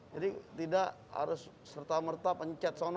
jadi tidak harus serta merta pencet sana